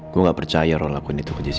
gue gak percaya roll lakuin itu ke jessica